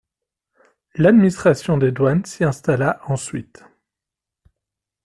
L'administration des douanes s'y installa ensuite.